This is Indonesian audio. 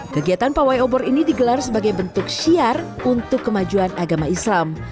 kegiatan pawai obor ini digelar sebagai bentuk syiar untuk kemajuan agama islam